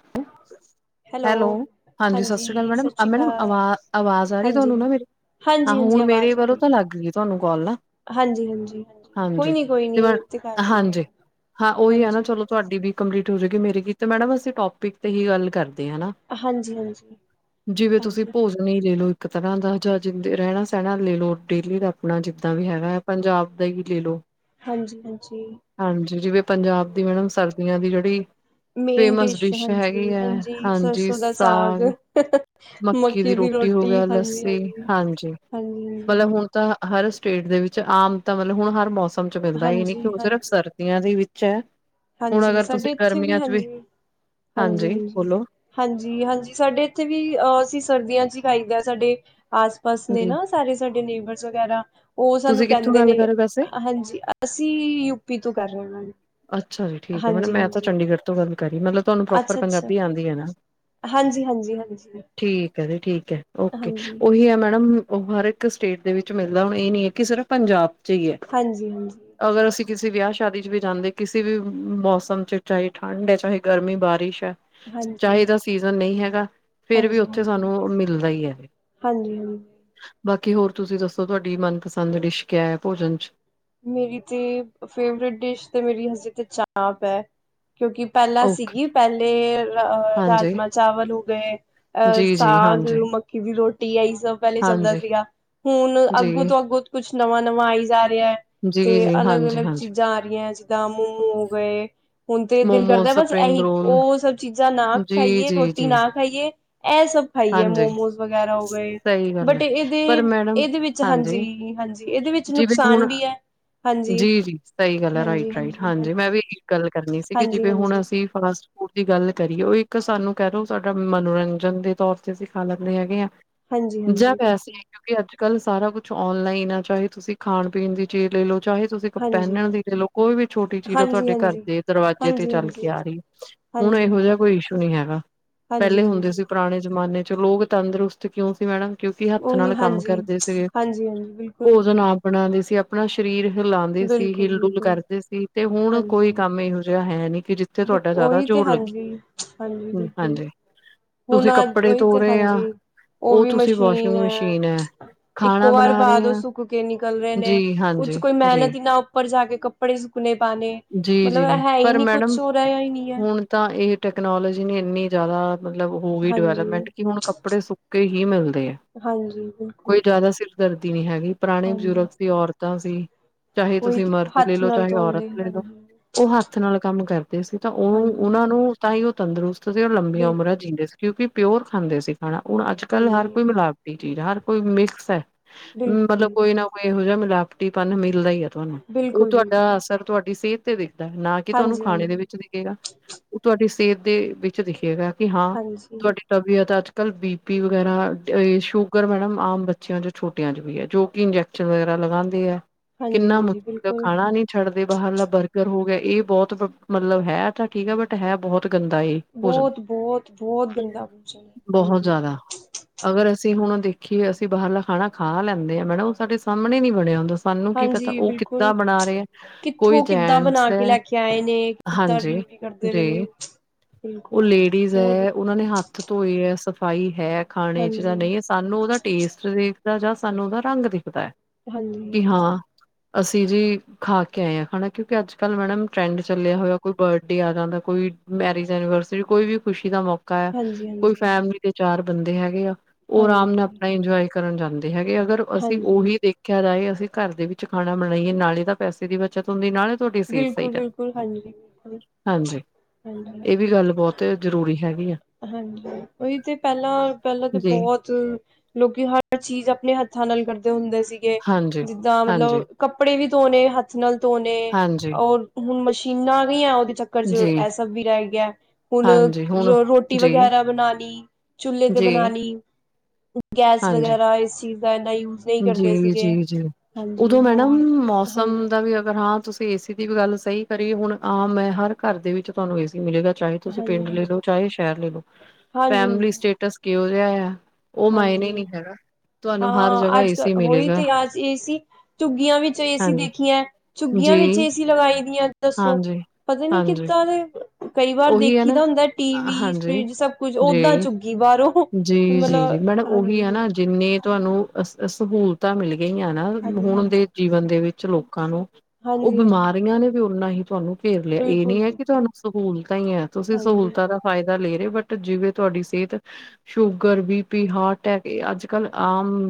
[unintelligible] Hello. ਹਾਂਜੀ ਸਤਿ ਸ਼੍ਰੀ ਅਕਾਲ ਮੈਡਮ। ਮੈਡਮ ਆਵਾ ਆਵਾਜ਼ ਆ ਰੀ ਹਾਂਜੀ ਤੁਆਨੂੰ ਨਾ ਮੇਰੀ। ਆ ਹਾਂਜੀ ਹਾਂਜੀ ਹੁਣ ਮੇਰੇ ਆਵਾਜ਼ ਆ ਵੱਲੋਂ ਰਹੀ ਤਾਂ ਲੱਗ ਗੀ ਤੁਆਨੂੰ ਕੋਲ ਨਾ। ਹਾਂਜੀ ਹਾਂਜੀ। ਕੋਈ ਹਾਂਜੀ ਨੀ ਕੋਈ ਮੈਂ ਨੀ। ਤੇ ਕਰ ਲੈਨੇ ਆਂ। ਹਾਂਜੀ ਹਾਂ ਉਈ ਐ ਨਾ ਚਲੋ ਤੁਹਾਡੀ ਵੀ ਕੰਪਲੀਟ ਹੋਜੇਗੀ ਤੇ ਮੇਰੀ ਵੀ। ਤੇ ਮੈਡਮ ਅਸੀ ਟੋਪਿਕ ਤੇ ਹੀ ਗੱਲ ਕਰਦੇ ਆਂ ਹਨਾ। ਹਾਂਜੀ ਹਾਂਜੀ ਜਿਵੇਂ ਤੁਸੀ ਹਾਂਜੀ ਭੋਜ ਨੀ ਲੇ ਲਓ ਇੱਕ ਤਰਾਂ ਦਾ ਜਾਂ ਜਿਦ ਰੈਣਾ ਸੈਣਾ ਲੇ ਲਓ ਡੇਲੀ ਦਾ ਅਪਣਾ ਜਿੱਦਾਂ ਵੀ ਹੈਗਾ ਐ। ਪੰਜਾਬ ਦਾ ਈ ਲੇ ਲਓ। ਹਾਂਜੀ ਹਾਂਜੀ। ਹਾਂਜੀ। ਜਿਵੇਂ ਪੰਜਾਬ ਦੀ ਮੈਡਮ ਸਰਦੀਆਂ ਦੀ ਜੇੜੀ ਮੇਨ ਡਿਸ਼ ਹਾਂਜੀ। ਹਾਂਜੀ ਸਰਸੋਂ ਦਾ ਸਾਗ, ਮੱਕੀ ਦੀ ਰੋਟੀ। ਹਾਂਜੀ ਹਾਂਜੀ। ਹਾਂਜੀ ਹਾਂਜੀ। ਮਤਲਬ ਹੁਣ ਤਾਂ ਹਰ ਸਟੇਟ ਦੇ ਵਿੱਚ ਆਮ ਤਾਂ ਮਤਲਬ ਹੁਣ ਹਰ ਮੌਸਮ ਚ ਮਿਲਦੈ। ਏ ਨੀ ਕਿ ਹਾਂਜੀ ਹੁਣ ਸਿਰਫ ਹਾਂਜੀ ਸਰ ਦੀਆਂ ਦੇ ਵਿੱਚ ਐ। ਹਾਂਜੀ। ਸਾਡੇ ਏਥੇ ਵੀ ਹਾਂਜੀ। ਹਾਂਜੀ ਹਾਂਜੀ। ਹਾਂਜੀ ਹਾਂਜੀ ਸਾਡੇ ਏਥੇ ਵੀ ਅ ਅਸੀ ਸਰਦੀਆਂ ਚ ਈ ਖਾਈਦੈ। ਸਾਡੇ ਆਸ ਪਾਸ ਨੇ ਜੀ ਨਾ ਸਾਰੇ ਸਾਡੇ ਨੇਬਰਸ ਵਗੈਰਾ ਓ ਸਾਨੂੰ ਤੁਸੀਂ ਕਿੱਥੋਂ ਕੈਂਦੇ ਗੱਲ ਨੇ ਕਰ ਰਹੇ ਹੋ ਵੈਸੇ ਅ ਹਾਂਜੀ ਅਸੀ ਯੂਪੀ ਤੋਂ ਕਰ ਰੇਆਂ ਗਲ। ਅੱਛਾ ਜੀ ਠੀਕ ਐ। ਮੈਡਮ, ਮੈਂ ਤਾਂ ਚੰਡੀਗੜ੍ਹ ਤੋਂ ਗੱਲ ਕਰਰੀ। ਮਤਲਬ ਤੁ਼ਆਨੂੰ ਪ੍ਰੋਪਰ ਪੰਜਾਬੀ ਆਂਦੀ ਐ ਨਾ। ਹਾਂਜੀ- ਹਾਂਜੀ- ਹਾਂਜੀ ਠੀਕ ਹੈ ਜੀ ਠੀਕ ਹੈ ਓਕੇ ਉਹੀ ਹੈ ਮੈਡਮ ਉਹ ਹਰ ਇੱਕ ਸਟੇਟ ਦੇ ਵਿੱਚ ਮਿਲਣਾ ਇਹ ਨੀ ਹੈ ਕਿ ਸਿਰਫ ਪੰਜਾਬ 'ਚ ਹੀ ਹੈ ਹਾਂਜੀ- ਹਾਂਜੀ ਅਗਰ ਅਸੀਂ ਕਿਸੀ ਵਿਆਹ ਸ਼ਾਦੀ 'ਚ ਵੀ ਜਾਂਦੇ ਕਿਸੇ ਵੀ ਮੌਸਮ 'ਚ ਚਾਹੇ ਠੰਡ ਹੈ ਚਾਹੇ ਗਰਮੀ ਬਾਰਿਸ਼ ਹੈ ਹਾਂਜੀ, ਚਾਹੇ ਇਹਦਾ ਸੀਜ਼ਨ ਨਹੀਂ ਹੈਗਾ ਫੇਰ ਵੀ ਹਾਂਜੀ-ਹਾਂਜੀ, ਉੱਥੇ ਸਾਨੂੰ ਅ ਮਿਲਦਾ ਹੀ ਹੈ ਹਾਂਜੀ-ਹਾਂਜੀ। ਬਾਕੀ ਹੋਰ ਤੁਸੀਂ ਦੱਸੋ ਤੁਹਾਡੀ ਮਨਪਸੰਦ ਡਿਸ਼ ਕਿਆ ਹੈ ਭੋਜਨ 'ਚ ਮੇਰੀ ਤੇ ਫੇਵਰੇਟ ਡਿਸ਼ ਤੇ ਮੇਰੀ ਹਜੇ ਤੇ ਚਾਪ ਹੈ ਕਿਉਂਕਿ ਪਹਿਲਾਂ ਓਕੇ ਸੀਗੀ ਪਹਿਲੇ ਅ ਹਾਂਜੀ ਰਾਜਮਾਂਹ ਚਾਵਲ ਹੋ ਗਏ ਅਹ ਜੀ ਜੀ ਸਾਗ ਹਾਂਜੀ ਮੱਕੀ ਦੀ ਰੋਟੀ ਐਹੀ ਸਭ ਪਹਿਲੇ ਚੱਲਦਾ ਹਾਂਜੀ ਸੀਗਾ ਹੁਣ ਅੱਗੋ ਜੀ ਤੋਂ ਅੱਗੋਂ ਕੁਛ ਨਵਾਂ ਨਵਾਂ ਆਈ ਜਾ ਰਿਹਾ ਤੇ ਜੀ ਜੀ ਅਲੱਗ ਹਾਂਜੀ ਅਲੱਗ ਹਾਂਜੀ ਚੀਜ਼ਾਂ ਆ ਰਹੀਆਂ ਜਿੱਦਾਂ ਮੋਮੋ ਹੋ ਗਏ ਹੁਣ ਤੇ ਦਿਲ ਮੋਮੋਸ ਕਰਦਾ ਬਸ ਸਪਰਿੰਗ ਐਹੀ ਰੋਲ ਉਹ ਸਭ ਚੀਜ਼ਾਂ ਨਾ ਜੀ ਖਾਈਏ ਜੀ ਰੋਟੀ ਜੀ ਨਾ ਖਾਈਏ ਐਹ ਸਭ ਖਾਈ ਏ ਹਾਂਜੀ ਮੋਮੋਸ ਵਗੈਰਾ ਹੋ ਗਏ, ਸਹੀ ਗੱਲ ਬਟ ਹੈ ਇਹਦੇ ਪਰ ਮੈਡਮ ਇਹਦੇ ਵਿੱਚ ਇਹ 'ਚ ਹਾਂਜੀ, ਹਾਂਜੀ ਇਹਦੇ ਵਿੱਚ ਨੁਕਸਾਨ ਵੀ ਹੈ ਹਾਂਜੀ, ਜੀ- ਜੀ ਸਹੀ ਗੱਲ ਆ ਰਾਈਟ ਰਾਈਟ ਹਾਂਜੀ ਮੈਂ ਵੀ ਇਕ ਗੱਲ ਕਰਨੀ ਸੀ ਹਾਂਜੀ, ਹਾਂਜੀ, ਜਿਵੇਂ ਹੁਣ ਹਾਂਜੀ, ਅਸੀ ਫਾਸਟ ਉਹਦੀ ਗੱਲ ਕਰੀਏ ਇੱਕ ਸਾਨੂੰ ਕਹਿ ਲਓ ਸਾਡਾ ਮਨੋਰੰਜਨ ਦੇ ਤੌਰ ਤੇ ਅਸੀਂ ਖਾ ਲੈਂਦੇ ਹੈਗੇ ਹਾਂ ਜਾਂ ਹਾਂਜੀ ਵੈਸੇ, ਬਿਲਕੁਲ ਕਿਉਂਕਿ ਅੱਜ- ਕੱਲ ਸਾਰਾ ਕੁਛ ਔਨਲਾਈਨ ਆ ਚਾਹੇ ਤੁਸੀਂ ਖਾਣ ਪੀਣ ਦੀ ਚੇ ਲੈ ਲੋ ਚਾਹੇ ਤੁਸੀਂ ਕਪ ਪਹਿਨਣ ਹਾਂਜੀ, ਦੀ ਲੈ ਲਓ ਕੋਈ ਵੀ ਛੋਟੀ ਚੀਜ਼ ਹਾਂਜੀ, ਤੁਹਾਡੇ ਘਰ ਹਾਂਜੀ। ਦੇ ਦਰਵਾਜ਼ੇ ਤੇ ਹਾਂਜੀ, ਹਾਂਜੀ, ਚੱਲ ਕੇ ਹਾਂਜੀ, ਆ ਰਹੀ ਹੁਣ ਐਹੋ ਜਿਹਾ ਹਾਂਜੀ, ਕੋਈ ਇਸ਼ੂ ਨਹੀਂ ਹੈਗਾ ਹਾਂਜੀ, ਪਹਿਲੇ ਹੁੰਦੇ ਹਾਂਜੀ। ਸੀ ਪੁਰਾਣੇ ਜਮਾਨੇ 'ਚ ਲੋਕ ਤੰਦਰੁਸਤ ਕਿਉਂ ਸੀ ਮੈਡਮ ਕਿਉਂਕਿ ਹੱਥ ਉਹੀ ਨਾਲ ਕੰਮ ਹਾਂਜੀ, ਕਰਦੇ ਸੀ, ਹਾਂਜੀ, ਹਾਂਜੀ ਬਿਲਕੁਲ, ਭੋਜਨ ਆਪ ਬਣਾਂਦੇ ਸੀ ਆਪਣਾ ਸਰੀਰ ਹਿਲਾਉਂਦੇ ਸੀ ਬਿਲਕੁਲ, ਹਿਲ ਡੁਲ ਬਿਲਕੁਲ। ਕਰਦੇ ਸੀ ਤੇ ਹੁਣ ਕੋਈ ਕੰਮ ਐਹੋ ਜਿਹਾ ਹੈ ਨੀ ਕਿ ਜਿੱ ਤੇ ਉਹੀ ਤੇ ਹਾਂਜੀ ਹਾਂਜੀ ਬਿਲਕੁਲ ਹਾਂਜੀ ਹੁਣ ਤੁਸੀਂ ਕੱਪੜੇ ਉਹੀ ਧੋ ਤੇ ਰਹੇ ਆ ਹਾਂਜੀ ਉਹ ਵੀ ਤੁਸੀਂ ਵਾਸ਼ਿੰਗ ਮਸ਼ੀਨ। ਮਸ਼ੀਨ ਹੈ ਇਕ ਖਾਣਾ ਵਾਰ ਬਣਾ ਰਹੇ ਪਾਦੋ ਆ ਸੁੱਕ ਕੁ ਕੇ ਨਿਕਲ ਰਹੇ ਜੀ ਨੇ ਕੁੱਛ ਹਾਂਜੀ ਕੋਈ ਜੀ ਮੇਹਨਤ ਈ ਨਾ ਉੱਪਰ ਜਾ ਕੇ ਕੱਪੜੇ ਸੁੱਕਣੇ ਪਾਣੇ। ਮਤਲਬ ਜੀ-ਜੀ ਹੈ ਹੀ ਪਰ ਨਹੀਂ ਮੈਡਮ ਕੁਛ ਹੋ ਰਿਹਾ ਹੀ ਨਹੀਂ ਹੈ। ਹੁਣ ਤਾਂ ਇਹ ਟੈਕਨੋਲਜੀ ਨੇ ਇੰਨੀ ਜਾਦਾ ਮਤਲਬ ਹੋਗੀ ਹਾਂਜੀ, ਡਿਵੈਲਪਮੈਂਟ ਕਿ ਹੁਣ ਕੱਪੜੇ ਸੁੱਕੇ ਹੀ ਮਿਲਦੇ ਐ। ਹਾਂਜੀ ਕੋਈ ਬਿਲਕੁਲ ਜਿਆਦਾ ਸਿਰ ਸਿਰਦਰਦੀ ਨੀ ਹੈਗੀ। ਪੁਰਾਣੇ ਬਜ਼ੁਰਗ ਹਾਂਜੀ ਸੀ ਔਰਤਾਂ ਸੀ ਚਾਹੇ ਉਹੀ ਤੁਸੀਂ ਤੇ ਮਰਦ ਲਏ ਹੱਥ ਲਓ ਨਾਲ ਚਾਹੇ ਔਰਤ ਧੋਂਦੇ ਲਏ ਲਓ। ਹਾਂਜੀ, ਓ ਹੱਥ ਨਾਲ ਕੰਮ ਕਰਦੇ ਸੀ ਤਾਂ ਓ ਹਾਂਜੀ ਉਹਨਾਂ ਨੂੰ ਤਾਂਹੀ ਤੰਦਰੁਸਤ ਸੀ ਔਰ ਲੰਬੀਆਂ ਉਮਰਾਂ ਬਿਲਕੁਲ ਜਿੰਦੇ ਸੀ। ਕਿਉਂਕਿ ਪਿਓਰ ਖਾਂਦੇ ਸੀ ਖਾਣਾ। ਹੁਣ ਅੱਜ-ਕੱਲ ਹਰ ਹਾਂਜੀ ਕੋਈ ਮਿਲਾਵਟੀ ਚੀਜ਼ ਹਰ ਕੋਈ ਮਿਕਸ ਐ। ਬਿਲਕੁਲ, ਬਿਲਕੁਲ, ਮਤਲਬ ਕੋਈ ਨਾ ਕੋਈ ਇਹੋ ਜਿਆ ਮਿਲਾਵਟੀਪਨ ਮਿਲਦਾ ਈ ਆ ਤੁਹਾਨੂੰ। ਓ ਬਿਲਕੁਲ, ਬਿਲਕੁਲ ਤੁਹਾਡਾ ਅਸਰ ਤੁਆਡੀ ਸੇਤ ਤੇ ਦਿਖਦਾ ਨਾ ਕਿ ਤੁਆਨੂੰ ਹਾਂਜੀ, ਖਾਣੇ ਹਾਂਜੀ, ਦੇ ਵਿਚ ਦਿਖੇਗਾ। ਉਹ ਤੁਆਡੀ ਸੇਹਤ ਦੇ ਵਿਚ ਦਿਖੇਗਾ ਕਿ ਹਾਂ ਹਾਂਜੀ, ਤੁਆਡੇ ਤਬੀਅਤ ਅੱਜ-ਕੱਲ੍ਹ ਬੀ ਪੀ ਵਗੈਰਾ ਅ ਸ਼ੂਗਰ ਮੈਡਮ ਆਮ ਬੱਚਿਆਂ 'ਚ ਛੋਟਿਆਂ 'ਚ ਵੀ ਐ ਜੋ ਕਿ ਇੰਜੈਕ ਇੰਜੈਕਸ਼ਨ ਵਗੈਰਾ ਲਗਾਂਦੇ ਐ। ਹਾਂਜੀ, ਕਿੰਨਾ ਹਾਂਜੀ ਮੁਸ਼ਕਿਲ ਬਿਲਕੁਲ ਖਾਣਾ ਨੀ ਛੜਦੇ ਬਾਹਰਲਾ ਬਰਗਰ ਹੋ ਗਿਆ ਏ ਬੋਤ ਮਤਲਬ ਹੈ ਤਾਂ ਠੀਕ ਆ ਬਟ ਹੈ ਬਹੁਤ ਗੰਦਾ ਏ। ਭੋਜਨ ਬੋਤ-ਬੋਤ-ਬੋਤ ਗੰਦਾ ਪੁੱਛੋ ਨਾ ਬਹੁਤ ਹਾਂਜੀ। ਜ਼ਿਆਦਾ ਅਗਰ ਅਸੀ ਹੁਣ ਦੇਖੀਏ ਅਸੀ ਬਾਹਰਲਾ ਖਾਣਾ ਖਾ ਲੈਂਦੇ ਆ ਮੈਡਮ ਓ ਸਾਡੇ ਸਾਮਣੇ ਨੀ ਬਣਿਆ ਹੁੰਦਾ। ਸਾਨੂੰ ਕੀ ਪਤਾ ਹਾਂਜੀ ਓ ਕਿੱਦਾਂ ਬਿਲਕੁਲ ਬਣਾ ਰੇ ਐ। ਕੋਈ ਕਿੱਥੋਂ ਕਿੱਦਾਂ ਜੈਂਟਸ ਬਣਾ ਐ। ਕੇ ਲੈ ਕੇ ਆਏ ਨੇ ਕਿੱਦਾਂ ਹਾਂਜੀ ਡਿਲੀਵਰੀ ਕਰਦੇ ਪਏ ਨੇ ਜੀ ਓ ਬਿਲਕੁਲ ਲੇਡੀਜ਼ ਬਹੁਤ ਐ, ਓਨਾਨੇ ਹੱਥ ਹਾਥ ਧੋਏ ਐ ਸਫ਼ਾਈ ਹੈ ਖਾਣੇ ਚ ਜਾ ਹਾਂਜੀ, ਨਈ, ਐ ਸਾਨੂੰ ਓਦਾ ਟੇਸਟ ਦੇ ਦਾ ਜਾਂ ਸਾਨੂੰ ਉਦਾ ਰੰਗ ਦਿਖਦਾ ਐ। ਹਾਂਜੀ, ਹਾਂਜੀ, ਕਿ ਹਾਂ, ਹਾਂਜੀ, ਅਸੀਂ ਜੀ ਖਾ ਕੇ ਆਏ ਆ ਖਾਣਾ। ਕਿਉਂਕਿ ਅੱਜ ਕੱਲ੍ਹ ਮੈਡਮ ਟਰੈਂਡ ਚਲਿਆ ਹੋਇਆ, ਕੋਈ ਬਰਡੇ ਆ ਜਾਂਦਾ ਕੋਈ ਮੈਰਿਜ ਐਨੀਵਰਸਰੀ ਕੋਈ ਵੀ ਖੁਸ਼ੀ ਦਾ ਮੌਕ ਮੋਕਾ ਐ, ਕੋਈ ਹਾਂਜੀ, ਫੈਮਲੀ ਦੇ ਚਾਰ ਬੰਦੇ ਹੈਗੇ ਆ। ਓ ਅਰਾਮ ਹਾਂਜੀ, ਨਾਲ ਹਾਂਜੀ, ਆਪਣਾ ਇੰਜੋਏ ਕਰਨ ਜਾਂਦੇ ਹੈਗੇ, ਅਗਰ ਅਸੀ ਹਾਂਜੀ ਉਹੀ ਦੇਖਿਆ ਜਾਏ ਅਸੀ ਘਰ ਦੇ ਵਿੱਚ ਖਾਣਾ ਬਣਾਈਏ ਨਾਲੇ ਤਾਂ ਪੈਸੇ ਦੀ ਬਚਤ ਹੁੰਦੀ, ਨਾਲੇ ਤੁਆਡੀ ਸੇਫ ਸਾਈਟ ਆ ਬਿਲਕੁਲ-ਬਿਲਕੁਲ, ਹਾਂਜੀ ਬਿਲਕੁਲ, ਹਾਂਜੀ। ਹਾਂਜੀ। ਏ ਵੀ ਗੱਲ ਬਹੁਤ ਜਰੂਰੀ ਹੈਗੀ ਆ। ਹਾਂਜੀ ਉਈ ਤੇ ਪੈਹਲਾ-ਪੈਹਲਾ ਤੇ ਜੀ ਬਹੁਤ ਤ ਲੋਕੀ ਹਰ ਚੀਜ਼ ਆਪਣੇ ਹੱਥਾਂ ਨਾਲ ਕਰਦੇ ਹੁੰਦੇ ਸੀਗੇ। ਹਾਂਜੀ ਜਿਦਾ ਹਾਂਜੀ ਮਤਲਬ ਕੱਪੜੇ ਵੀ ਧੋਣੇ ਹੱਥ ਨਾਲ ਧੋਣੇ, ਹਾਂਜੀ ਔਰ ਹੁਣ ਮਸ਼ੀਨਾਂ ਵੀ ਆ ਓਦੇ ਚੱਕ ਚਕਰ ਚ ਜੀ ਐ ਸਭ ਵੀ ਰੈ ਗਯਾ ਐ, ਹੁਣ ਹਾਂਜੀ ਹੁਣ ਰ ਰੋਟ ਰੋਟੀ ਜੀ ਵਗੈਰਾ ਬਣਾਲੀ, ਚੁੱਲ੍ਹੇ ਤੇ ਜੀ ਬਣਾਲੀ। ਹਾਂਜੀ ਇੰਨਾ ਯੂਜ ਨਹੀਂ ਕਰਦੇ ਸੀਗੇ। ਜੀ-ਜੀ-ਜੀ ਹਾਂਜੀ, ਉਦੋਂ ਮੈਡਮ ਹੋਰ ਮੌਸ ਸਮ ਹਾਂਜੀ, ਦਾ ਵੀ ਅਗਰ ਹਾਂ ਤੁਸ ਤੇ ਏ ਸੀ ਦੀ ਵੀ ਗੱਲ ਸਈ ਕਰੀਏ, ਹੁਣ ਆਮ ਐ ਹਰ ਘਰ ਦੇ ਵਿੱਚ ਤੁਆਨੂੰ ਏ ਸੀ ਮਿਲੇਗਾ ਚਾਹੇ ਤੁਸੀਂ ਪਿੰਡ ਲੈ ਹਾਂਜੀ-ਹਾਂਜੀ, ਲੋ। ਚਾਏ ਸ਼ੈਹਰ ਲੈ ਲੋ, ਹਾਂਜੀ-ਹਾਂਜੀ, ਹਾਂਜੀ। ਫੈਮਲੀ ਸਟੇਟਸ ਕਿਉ ਜਿਆ ਯਾ ਓ ਹਾਂਜੀ ਮਾਇਨੇ ਨੀ ਹਾਂਜੀ ਕਰ ਹਾਂ ਅੱਜ-ਕੱਲ ਹੋਈ ਤੇ ਅੱਜ ਏ ਸੀ, ਝੁੱਗੀਆਂ ਵਿੱਚ ਏ ਸੀ ਹਾਂਜੀ, ਦੇਖੀਐ। ਝੁੱਗੀਆਂ ਵਿੱਚ ਜੀ, ਏ ਸੀ ਲਗਾਈ ਦੀਆਂ ਦੱਸੋ, ਹਾਂਜੀ। ਪਤਾ ਨੀ ਹਾਂਜੀ, ਕਿਦਾਂ ਦੇ ਕਈ ਵਾਰ ਉਹੀ ਹੈ ਦੇਖੀ ਨਾ ਦਾ ਹੁੰਦਾ ਟੀ ਵੀ, ਹਾਂਜੀ, ਫਰਿਜ ਸਭ ਕੁੱਝ, ਓਦਾਂ ਝੁਗੀ ਬਾਰੋਂ। ਜੀ-ਜੀ-ਜੀ ਮੈਡਮ ਓਹੀ ਆ ਨਾ ਜਿੰਨੇ ਤੁਆਨੂੰ ਅ ਸ ਸਹੂਲਤਾਂ ਮਿਲ ਗਈਆਂ। ਨਾਲ ਹਾਂਜੀ ਹੁਣ ਹਾਂਜੀ ਦੇ ਜੀਵਨ ਦੇ ਵਿੱਚ ਲੋਕਾਂ ਨੂੰ ਓ ਹਾਂਜੀ ਹਾਂਜੀ ਬਿਮਾਰੀਆਂ ਨੇ ਵੀ ਓਨਾ ਈ ਤੁਆਨੂੰ ਘੇਰ ਲਿਆ, ਏ ਨੀ ਬਿਲਕੁਲ ਐ ਕਿ ਬਿਲਕੁਲ ਤੁਆਨੂੰ ਸਹੂਲਤਾਂ ਈ ਐ, ਤੁਸੀ ਹਾਂਜੀ ਸਹੂਲਤਾਂ ਰੱਖ ਫਾਏਦਾ ਲੈ ਰੇ ਓ, ਬਟ ਜਿਵੇਂ ਤੁਆਡੀ ਸੇਹਤ sugar, B P, heart attack, ਏ ਅੱਜ-ਕਲ ਆਮ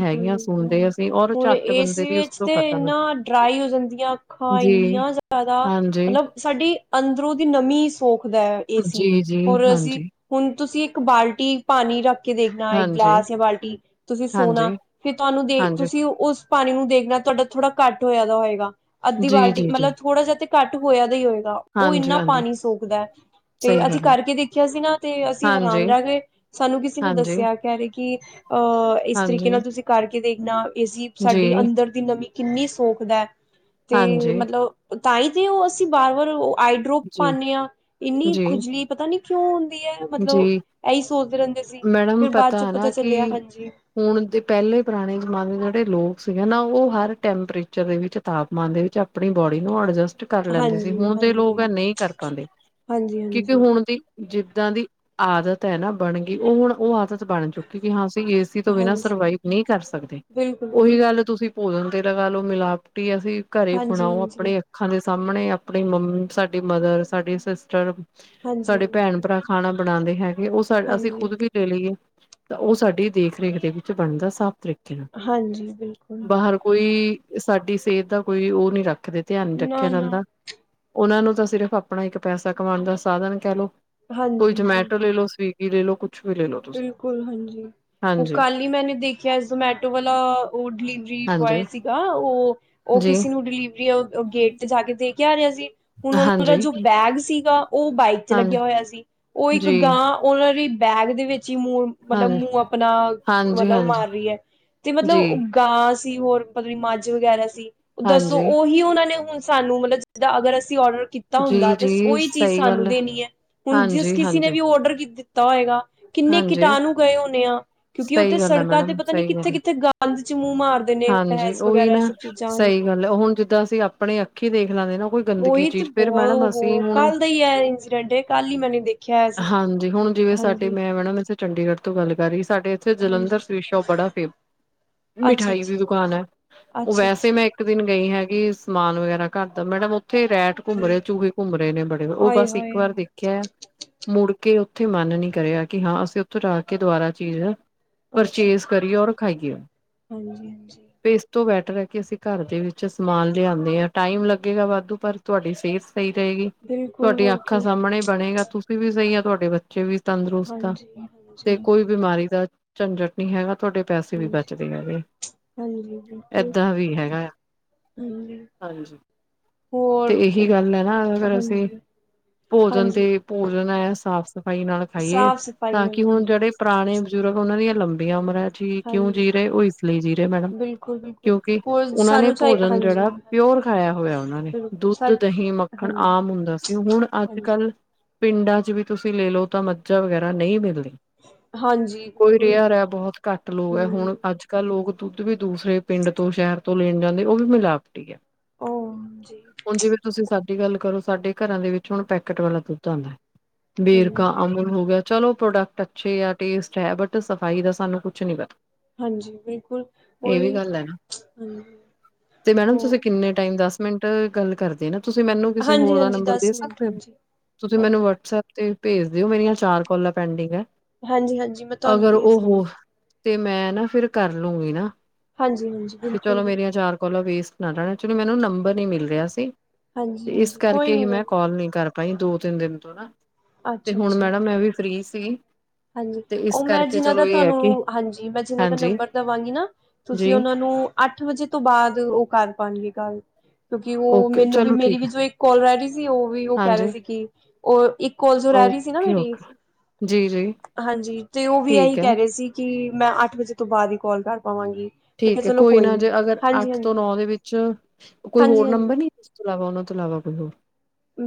ਹੈਗੀਆਂ ਸੁਣਦੇ ਹਾਂਜੀ। ਅਸੀਂ ਔਰ ਹੁਣ ਝੱਟ ਬੰਦੇ ਏਸੀ ਦੀ ਉਸ ਵਿੱਚ ਤੋਂ ਤੇ ਖਤਮ ਹੈ ਏਨਾ ਡਰਾਈ ਹੋ ਜਾਂਦੀਆਂ ਅਖਾਂ ਜੀ ਏਨੀਆਂ ਜ਼ਆਦਾ ਹਾਂਜੀ ਮਤਲਬ ਸਾਡੀ ਅੰਦਰੋਂ ਦੀ ਨਮੀ ਸੋਖਦਾ ਐ। ਏਸੀ ਜੀ ਜੀ ਹੋਰ ਅਸੀ ਹਾਂਜੀ ਹੁਣ ਤੁਸੀ ਏਕ ਬਾਲਟੀ ਪਾਣੀ ਰੱਖ ਕੇ ਦੇਖਣਾ, ਇਕ ਹਾਂਜੀ ਗਲਾਸ ਜਾਂ ਬਾਲਟੀ। ਤੁਸੀ ਸੋਣਾ, ਹਾਂਜੀ ਫਿਰ ਤੁਆਨੂੰ ਦੇ, ਹਾਂਜੀ ਤੁਸੀ ਉਸ ਪਾਣੀ ਨੂੰ ਦੇਖਣਾ ਤੁਆਡਾ ਥੋੜਾ ਘੱਟ ਹੋਇਆ ਦਾ ਹੋਏਗਾ। ਅੱਧੀ ਜੀ ਬਾਲਟੀ ਜੀ ਜੀ ਮਤਲਬ ਥੋੜ੍ਹਾ ਜਿਆ ਤੇ ਘੱਟ ਹੋਇਆ ਦਾ ਈ ਹੋਏਗਾ। ਉਹ ਹਾਂਜੀ ਇਨਾ ਹਾਂਜੀ ਪਾਣੀ ਸੋਖਦਾ ਐ ਤੇ ਸਹੀ ਅਸੀਂ ਗੱਲ ਹੈ ਕਰਕੇ ਦੇਖਿਆ ਸੀ ਨਾ, ਤੇ ਅਸੀਂ ਹਾਂਜੀ ਹੈਰਾਨ ਰੈ ਗਏ। ਸਾਨੂੰ ਕਿਸੇ ਨੇ ਹਾਂਜੀ ਦੱਸਿਆ, ਕਹਿ ਰਹੇ ਕਿ ਅਹ' ਇਸ ਤਰੀਕੇ ਹਾਂਜੀ ਨਾਲ ਤੁਸੀਂ ਕਰਕੇ ਦੇਖਣਾ, ਏ ਸੀ ਜੀ ਸਾਡੀ ਅੰਦਰ ਦੀ ਨਮੀ ਕਿੰਨੀ ਸੋਖ ਦਾ। ਤੇ ਹਾਂਜੀ ਮਤਲਬ ਤਾਈ ਤੇ ਉਹ ਅਸੀਂ ਬਾਰ -ਬਾਰ ਆਈਡਰੋਪ ਜੀ ਪਾਨੇ ਆਂ, 'ਇੰਨੀ ਜੀ ਖੁਜਲੀ ਪਤਾ ਨੀ ਕਿਉਂ ਹੁੰਦੀ ਹੈ? ਮਤਲਬ ਜੀ ਇਹੀ ਸੋਚਦੇ ਰਹਿੰਦੇ ਸੀ, ਮੈਡਮ ਫੇਰ ਬਾਅਦ ਚੋਂ ਹੈ ਪਤਾ ਨਾ ਕਿ ਚੱਲਿਆ ਹਾਂਜੀ। ਹੁਣ ਦੇ ਪਹਿਲੇ ਪੁਰਾਣੇ ਜ਼ਮਾਨੇ ਦੇ ਜਿਹੜੇ ਲੋਕ ਸੀਗੇ ਨਾ, ਉਹ ਹਰ ਟੈਂਪਰੇਚਰ ਦੇ ਵਿੱਚ ਤਾਪਮਾਨ ਦੇ ਵਿੱਚ, ਆਪਣੀ ਬੋਡੀ ਨੂੰ ਅਡਜਸਟ ਕਰ ਲੈਂਦੇ ਸੀ, ਹਾਂਜੀ ਹੁਣ ਤੇ ਲੋਕ ਹਾਂਜੀ ਇਹ ਨਹੀਂ ਕਰ ਪਾਉਂਦੇ, ਹਾਂਜੀ ਕਿਉਂਕਿ ਹਾਂਜੀ ਹੁਣ ਦੀ, ਜਿੱਦਾਂ ਦੀ ਆਦਤ ਹੈ ਨਾ ਬਣ ਗਈ, ਉਹ ਹੁਣ ਉਹ ਆਦਤ ਬਣ ਚੁੱਕੀ ਕਿ ਹਾਂ ਅਸੀਂ ਏ ਸੀ ਏ ਸੀ ਤੋਂ ਬਿਨਾਂ ਹਾਂਜੀ ਸਰਵਾਈਵ ਨਹੀਂ ਕਰ ਸਕਦੇ, ਬਿਲਕੁਲ ਉਹੀ ਬਿਲਕੁਲ ਗੱਲ ਤੁਸੀਂ ਭੋਜਨ ਤੇ ਲਗਾ ਲਓ, ਮਿਲਾਵਟੀ ਅਸੀਂ ਘਰੇ ਹਾਂਜੀ ਬਣਾਓ ਹਾਂਜੀ ਆਪਣੇ ਅੱਖਾਂ ਦੇ ਸਾਹਮਣੇ, ਆਪਣੀ ਮੰਮੀ ਸਾਡੀ ਮਦਰ, ਸਾਡੀ ਸਿਸਟਰ, ਹਾਂਜੀ ਸਾਡੇ ਭੈਣ ਹਾਂਜੀ ਭਰਾ ਖਾਣਾ ਬਣਾਨਦੇ ਹੈਗੇ, ਉਹ ਸਾ ਅਸੀਂ ਹਾਂਜੀ ਖੁਦ ਵੀ, ਲੈ ਲਈਏ, ਤਾਂ ਉਹ ਸਾਡੀ ਦੇਖ ਰੇਖ ਦੇ ਵਿੱਚ ਬਣਦਾ ਸਾਫ਼ ਤਰੀਕੇ ਕੇਹ ਨਾ ਹਾਂਜੀ ਬਿਲਕੁਲ ਬਾਹਰ ਕੋਈ। ਏ ਸਾਡੀ ਸਿਹਤ ਦਾ ਕੋਈ ਓ ਨੀ ਰੱਖਦੇ ਧਿਆਨ ਨੀ ਰੱਖਿਆ ਨਾ-ਨਾ ਜਾਂਦਾ। ਉਨਾਂ ਨੂੰ ਤਾਂ ਸਿਰਫ਼ ਆਪਣਾ ਇੱਕ ਪੈਸਾ ਕਮਾਉਣ ਦਾ ਸਾਧਨ ਕਹਿ ਲਓ। ਕੋਈ ਹਾਂਜੀ ਜਮੈਟੋ ਲੈ ਬਿਲਕੁਲ, ਲੋ, ਸਵੀਗੀ ਲੈ ਲੋ। ਕੁਛ ਵੀ ਲੈ ਲੋ ਤੁਸੀਂ ਬਿਲਕੁਲ, ਹਾਂਜੀ। ਓ ਹਾਂਜੀ ਕੱਲ ਹੀ ਮੈਨੇ ਦੇਖਿਆ ਜਮੈਟੋ ਵਾਲਾ ਓ ਡਿਲੀਵਰੀ ਹਾਂਜੀ ਬੋਏ ਸੀਗਾ ਓ ਓ ਜੀ ਕਿਸੇ ਨੂੰ ਡਿਲੀਵਰੀ ਗੇ ਤੇ ਜਾ ਕੇ ਦੇ ਕੇ ਆ ਰਿਹਾ ਸੀ ਹੁਣ ਉਨਾਂ ਦਾ ਹਾਂਜੀ ਜੋ ਬੈਗ ਸੀਗਾ ਓ ਬਾਈਕ 'ਚ ਹਾਂਜੀ ਲੱਗਿਆ ਹੋਇਆ ਸੀ ਓ ਇੱਕ ਜੀ ਗਾਂ ਉਨਾਂ ਦੀ ਬੈਗ ਦੇ ਵਿੱਚ ਹੀ ਮੂੰਹ ਮਤਲਬ ਹਾਂਜੀ ਮੂੰਹ ਆਪਣਾ, ਹਾਂਜੀ ਮਤਲਬ ਹਾਂਜੀ ਮਾਰ ਰਈ ਆ ਤੇ ਜੀ ਮਤਲਬ ਗਾਂ ਸੀ ਹੋਰ ਪਤਾ ਨੀ ਮੱਝ ਵਗੈਰਾ ਸੀ ਓ ਦੱਸੋ ਹਾਂਜੀ ਉਹੀ ਉਨਾਂ ਨੇ ਹੁਣ ਸਾਨੂੰ ਮਤਲਬ ਜਿੱਦਾਂ ਅਗਰ ਅਸੀਂ ਔਡਰ ਕੀਤਾ ਹੁੰਦਾ ਜੀ ਤੇ ਜੀ ਓਹੀ ਚੀਜ਼ ਸਹੀ ਗੱਲ ਸਾਨੂੰ ਹੈ ਦੇਣੀ ਆ ਹੁਣ ਜਿਸ ਹਾਂਜੀ ਕਿਸੀ ਨੇ ਹਾਂਜੀ ਵੀ ਔਡਰ ਦਿੱਤਾ ਹੋਏਗਾ ਕਿੰਨੇ ਹਾਂਜੀ ਕੀਟਾਣੂ ਗਏ ਹੋਣੇ ਆ, ਕਿਉਂਕਿ ਸਹੀ ਓਥੇ ਗੱਲ ਹੈ ਸੜਕਾਂ ਤੇ ਮੈਡਮ ਪਤਾ ਨੀ ਸਹੀ ਗੱਲ ਹੈ ਕਿੱਥੇ-ਕਿੱਥੇ ਗੰਦ 'ਚ ਮੂੰਹ ਮਾਰਦੇ ਨੇ, ਹਾਂਜੀ ਬੇਸ ਉਹੀ ਵਗੈਰਾ ਨਾ ਐ ਸਭ ਚੀਜ਼ਾਂ ਸਹੀ ਹਾਂਜੀ। ਗੱਲ ਹੈ ਹੁਣ ਜਿੱਦਾਂ ਅਸੀਂ ਆਪਨੇ ਅੱਖੀਂ ਦੇਖ ਲਾਂਗੇ ਨਾ ਕੋਈ ਗੰਦਗੀ ਓਹੀ ਤੇ ਚੀਜ਼ ਫੇਰ ਬਹੁਤ ਓ ਮੈਡਮ ਅਸੀਂ ਹੋ ਹੁਣ ਕੱਲ ਦਾ ਹੀ ਏ ਇੰਸੀਡੈਂਟ ਕੱਲ ਹੀ ਮੈਨੇ ਦੇਖਿਆ ਹਾਂਜੀ ਹੁਣ ਜਿਵੇਂ ਸਾਡੇ ਹਾਂਜੀ ਮੈਂ ਮੈਡਮ ਇੱਥੇ ਚੰਡੀਗੜ੍ਹ ਤੋਂ ਗੱਲ ਕਰ ਰਹੀ ਸਾਡੇ ਓਥੇ ਜਲੰਧਰ ਹਾਂਜੀ ਸਵੀਟ ਸ਼ੌਪ ਬੜਾ ਫੇਮ ਅੱਛਾ ਮਿਠਾਈ ਅੱਛਾ ਦੀ ਦੁਕਾਨ ਆ ਓ ਅੱਛਾ ਵੈਸੇ ਅੱਛਾ ਮੈਂ ਇੱਕ ਦਿਨ ਗਈ ਹੈਗੀ ਸਮਾਨ ਵਗੈਰਾ ਘਰ ਦਾ ਮੈਡਮ ਓਥੀ ਰੈਟ ਘੁੰਮ ਰਹੇ, ਹਾਂਜੀ ਚੂਹੇ ਘੁੰਮ ਰਹੇ ਨੇ, ਬੜੇ ਓ ਆਏ ਬਸ ਇੱਕ ਹਾਏ ਵਾਰ ਦੇਖਿਆ ਆ ਮੁੜ ਕੇ ਓਥੇ ਮੰਨ ਨੀ ਕਰਿਆ ਕਿ ਹਾਂ ਅਸੀਂ ਉੱਥੋਂ ਜਾ ਕੇ ਦੁਬਾਰਾ ਚੀਜ਼ ਅੱਛਾ ਪਰਚੇਜ ਅੱਛਾ ਕਰੀਏ ਔਰ ਖਾਈਏ। ਹਾਂਜੀ, ਹਾਂਜੀ। ਇਸ ਤੋਂ ਬੈਟਰ ਹੈ ਕਿ ਅਸੀਂ ਘਰ ਦੇ ਵਿੱਚ ਸਮਾਨ ਲਿਆਨੇ ਆ ਟਾਈਮ ਲੱਗੇਗਾ ਵਾਧੂ ਪਰ ਤੁਹਾਡੀ ਸੇਤ ਸਈ ਰਹੇਗੀ, ਬਿਲਕੁਲ ਤੁਹਾਡੀਆਂ ਹੋਰ ਅੱਖਾਂ ਕੀ ਸਾਹਮਣੇ ਬਣੇਗਾ, ਤੁਸੀਂ ਵੀ ਸਈ ਆ, ਤੁਹਾਡੇ ਬੱਚੇ ਵੀ ਤੰਦਰੁਸਤ ਆ ਹਾਂਜੀ, ਹਾਂਜੀ, ਤੇ ਕੋਈ ਬਿਮਾਰੀ ਦਾ ਝੰਜਟ ਨੀ ਹੈਗਾ। ਤੁਹਾਡੇ ਪੈਸੇ ਵੀ ਹਾਂਜੀ, ਬਚਦੇ ਹੈਗੇ, ਹਾਂਜੀ ਬਿਲਕੁਲ ਏਦਾਂ ਵੀ ਹੈਗਾ ਆ। ਹਾਂਜੀ ਹਾਂਜੀ ਤੇ ਹੋਰ ਇਹੀ ਗੱਲ ਆ ਨਾ ਅਗਰ ਅਸੀਂ ਹਾਂਜੀ, ਭੋਜਨ ਤੇ ਹਾਂਜੀ ਭੋਜਨ ਐ ਸਾਫ਼-ਸਫ਼ਾਈ ਨਾਲ ਖਾਈਏ ਸਾਫ਼ ਸਫ਼ਾਈ ਤਾਂ ਨਾਲ ਕਿ ਹੁਣ ਹਾਂਜੀ, ਜੇੜੇ ਪੁਰਾਣੇ ਬਜ਼ੁਰਗ ਉਨਾਂ ਦੀਆਂ ਲੰਬੀਆਂ ਉਮਰਾਂ ਠੀਕ ਕਿਉਂ ਹਾਂਜੀ ਜੀ ਰਹੇ, ਓ ਇਸ ਲਈ ਜੀ ਰਹੇ ਮੈਡਮ ਬਿਲਕੁਲ, ਬਿਲਕੁਲ ਕਿਉਂਕਿ ਹੋਰ ਉਨਾਂ ਨੇ ਸਾਨੂੰ ਚਾਹੀ ਭੋਜਨ ਹਾਂਜੀ, ਜੇੜਾ ਹਾਂਜੀ ਪਿਓਰ ਖਾਇਆ ਹੋਇਆ ਉਨਾਂ ਨੇ, ਬਿਲਕੁਲ ਸਾ ਦੁੱਧ, ਦਹੀਂ, ਮੱਖਣ ਹਾਂਜੀ, ਆਮ ਹੁੰਦਾ ਸੀ। ਹੁਨ ਹਾਂਜੀ, ਅੱਜ-ਕੱਲ ਪਿੰਡਾਂ 'ਚ ਵੀ ਤੁਸੀਂ ਲੈ ਲਓ ਤਾਂ ਮੱਝਾਂ ਵਗੈਰਾ ਨਈ ਮਿਲਣੀ ਹਾਂਜੀ ਕੋਈ ਬਿਲਕੁਲ ਰੇਅਰ ਆ, ਬਹੁਤ ਘੱਟ ਲੋਕ ਆ ਹੂੰ ਹੁਣ ਅੱਜ ਅੱਜ-ਕੱਲ ਲੋਕ ਦੁੱਧ ਵੀ ਦੂਸਰੇ ਪਿੰਡ ਤੋਂ, ਸ਼ਹਿਰ ਤੋਂ ਲੈਣ ਜਾਂਦੇ, ਓ ਵੀ ਮਿਲਾਵਟੀ ਆ ਉਹ ਹਾਂਜੀ, ਹੁਣ ਜਿਵੇਂ ਤੁਸੀਂ ਸਾਡੀ ਗੱਲ ਕਰੋ, ਸਾਡੇ ਘਰਾਂ ਦੇ ਵਿੱਚ ਹੁਣ ਪੈਕੇਟ ਵਾਲਾ ਦੁੱਧ ਆਂਦਾ। ਵੇਰਕਾ, ਹਾਂਜੀ, ਅਮਨ ਹੋ ਗਿਆ, ਚਲੋ ਪ੍ਰੋਡਕਟ ਅੱਛੇ ਆ, ਟੇਸਟ ਹੈ ਬਟ ਸਫ਼ਾਈ ਦਾ ਸਾਨੂੰ ਕੁਛ ਨੀ ਪਤਾ। ਹਾਂਜੀ ਬਿਲਕੁਲ। ਇਹ ਵੀ ਉਹੀ ਗੱਲ ਹੈ ਹਾਂ। ਤੇ ਮੈਡਮ ਤੁਸੀਂ ਕਿੰਨੇ ਟਾਈਮ ਦਸ ਮਿੰਟ ਗੱਲ ਕਰਦੇ ਨਾ। ਤੁਸੀਂ ਮੈਨੂੰ ਕਿਸੇ ਹੋਰ ਹਾਂਜੀ, ਦਾ ਹਾਂਜੀ ਨੰਬਰ ਦੇ ਦਸ ਮਿੰਟ ਸਕਦੇ ਹੋ। ਹਾਂਜੀ, ਤੁਸੀਂ ਮੈਨੂੰ ਹਾਂਜੀ, ਵਟਸਪ। ਤੇ ਭੇਜ ਦਿਓ। ਮੇਰੀਆਂ ਚਾਰ ਕੋਲਾਂ ਪੈਂਡਿੰਗ ਆ। ਹਾਂਜੀ। ਹਾਂਜੀ। ਮੈਂ ਤੁਹਾਨੂੰ ਭੇਜ ਦਾਂਗੀ। ਤੇ ਮੈਂ ਨਾ ਫਿਰ ਕਰ ਲੂੰਗੀ ਨਾ। ਹਾਂਜੀ-ਹਾਂਜੀ, ਕਿ ਚਲੋ ਮੇਰੀਆਂ ਬਿਲਕੁਲ-ਬਿਲਕੁਲ, ਚਾਰ। ਕੋਲਾਂ ਵੇਸਟ ਨਾ ਰਹਿਣ ਚਲੋ ਮੈਨੂੰ ਨੰਬਰ ਨੀ ਮਿਲ ਰਿਹਾ ਸੀ ਤੇ ਇਸ ਹਾਂਜੀ-ਹਾਂਜੀ, ਕੋਈ ਕਰਕੇ ਹੀ ਨੀ ਕੋਈ ਮੈਂ ਕੌਲ ਨੀ ਕਰ। ਦੋ-ਤਿੰਨ ਦਿਨ ਤੋਂ ਨਾ। ਤੇ ਹੁਣ ਅੱਛਾ-ਅੱਛਾ। ਮੈਡਮ ਮੈਂ ਵੀ ਫ੍ਰੀ ਸੀ। ਹਾਂਜੀ। ਤੇ ਇਸ ਉਹ ਮੈਂ ਕਰਕੇ ਜਿੰਨਾਂ ਦਾ ਚਲੋ ਇਹ ਹੈ ਕਿ ਤੁਹਾਨੂੰ, ਹਾਂਜੀ, ਮੈਂ ਜਿੰਨਾਂ ਦਾ ਹਾਂਜੀ ਨੰਬਰ ਦਵਾਂਗੀ ਨਾ। ਤੁਸੀਂ ਜੀ ਉਨਾਂ ਨੂੰ ਅੱਠ ਵਜੇ ਤੋਂ ਬਾਅਦ ਉਹ ਕਰ ਪਾਣਗੇ ਗੱਲ। ਕਿਉਂਕਿ ਉਹ ਓਕੇ ਮੈਨੂੰ ਵੀ ਚਲੋ ਮੇਰੀ ਠੀਕ ਵੀ ਹੈ ਜੋ ਇੱਕ ਕੋਲ ਰਹਿ ਗੀ ਸੀ। ਉਹ ਵੀ ਉਹ ਕਹ ਰੇ ਹਾਂਜੀ। ਸੀ ਕਿ। ਉ ਇੱਕ ਕੋਲ ਜੋ ਰਹਿ ਰੀ ਸੀ ਨਾ ਓਕੇ ਮੇਰੀ। ਓਕੇ ਜੀ। ਜੀ। ਹਾਂਜੀ। ਤੇ ਉਹ ਵੀ ਇਹੀ ਠੀਕ ਹੈ ਕਹਿ ਰਹੇ ਸੀ ਕਿ, ਮੈਂ ਅੱਠ ਵਜੇ ਤੋਂ ਬਾਦ ਈ ਕੋਲ ਕਰ ਪਾਵਾਂਗੀ। ਮੈਂ ਕਿਹਾ ਠੀਕ ਐ। ਚਲੋ ਕੋਈ ਨਾ, ਜੇ ਨੀ ਅਗਰ ਅੱਠ ਤੋਂ ਹਾਂਜੀ-ਹਾਂਜੀ, ਨੌ ਦੇ ਵਿੱਚ ਕੋਈ ਹੋਰ ਹਾਂਜੀ-ਹਾਂਜੀ। ਨੰਬਰ ਨੀ ਹੈ। ਉਹ ਨਾ ਤੋਂ ਇਲਾਵਾ ਹੋਰ।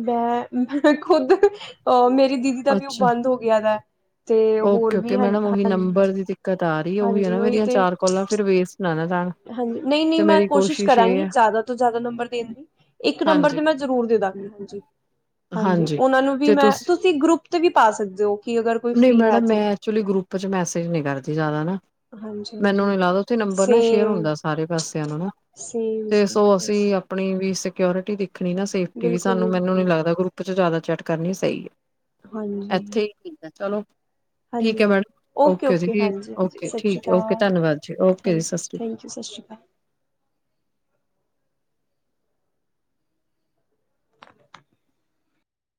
ਮੈਂ, ਮੈ ਖੁਦ ਅਹ ਮੇਰੀ ਦੀਦੀ ਦਾ ਵੀ ਉਹ ਅੱਛਾ ਬੰਦ ਹੋ ਗਿਆ ਵੇ। ਓਕੇ -ਓਕੇ ਮੈਡਮ ਉਹੀ ਨੰਬਰ ਦੀ ਦਿੱਕਤ ਆ ਰਹੀ, ਉਹੀ ਐ ਹਾਂਜੀ ਨਾ ਮੇਰੀਆਂ ਤੇ ਚਾਰ ਕੋਲਾਂ ਫਿਰ ਵੇਸਟ ਨਾ ਨਾ ਜਾਣ। ਹਾਂਜੀ, ਨਈ, ਨਈ ਤੇ ਮੈਂ ਮੇਰੀ ਕੋਸ਼ਿਸ਼ ਇਹ ਕਰਾਂਗੀ, ਹੈ ਜ਼ਿਆਦਾ ਤੋਂ ਜ਼ਿਆਦਾ ਨੰਬਰ ਦੇਣ ਦ ਇੱਕ ਨੰਬਰ ਤੇ ਹਾਂਜੀ ਮੈਂ ਜ਼ਰੂਰ ਦੇ ਦਾਂਗੀ। ਹਾਂਜੀ, ਹਾਂਜੀ ਉਹਨਾਂ ਨੂੰ ਵੀ ਮੈਂ ਤੁਸੀਂ ਗਰੁਪ ਉਤੇ ਵੀ ਪਾ ਸਕਦੇ ਔ। ਨਈ ਮੈਡਮ ਮੈਂ ਐਕਚੁਲੀ ਗਰੁੱਪ ਚ ਮੈਸੇਜ ਨਈ ਕਰਦੀ ਜ਼ਿਆਦਾ ਨਾ। ਹਾਂਜੀ ਮੈਨੂੰ ਹਾਂਜੀ ਨੀ ਲੱਗਦਾ, ਉੱਥੇ ਨੰਬਰ ਨਾ ਸ਼ੇਅਰ ਹੁੰਦਾ ਸਾਰੇ ਪਾਸਿਆਂ ਨੂੰ ਨਾ। ਸਹੀ ਤੇ ਸੋ ਅਸੀਂ ਸ ਆਪਣੀ ਵੀ ਸਿਓਰਿਟੀ ਦੇਖਣੀ ਨਾ, ਸੇਫਟੀ ਵੀ ਬਿਲਕੁਲ ਸਾਨੂੰ, ਬਿਲਕੁਲ ਮੈਨੂੰ ਨੀ ਹਾਂਜੀ ਲੱਗਦਾ ਗਰੁੱਪ। ਕੁ ਜ਼ਿਆਦਾ ਚੈਟ ਕਰਨੀ ਸਹੀ ਐ, ਹਾਂਜੀ ਇੱਥੇ ਈ ਠੀਕ ਏ ਚਲੋ। ਹਾਂਜੀ ਠੀਕ ਐ ਹਾਂਜੀ ਮੈਡਮ ਓਕੇ ਜੀ, ਹਾਂਜੀ ਹਾਂਜੀ ਓਕੇ ਸਤਿ ਸ਼੍ਰੀ ਠੀਕ ਓਕੇ ਧੰਨਵਾਦ ਜੀ। ਓਕੇ ਜੀ, ਸਸਿ ਸ਼ੀ ਸਸਿ ਰੀਕਾਲ।